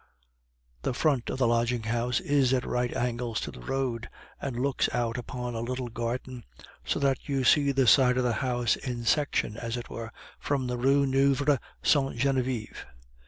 The front of the lodging house is at right angles to the road, and looks out upon a little garden, so that you see the side of the house in section, as it were, from the Rue Nueve Sainte Genevieve.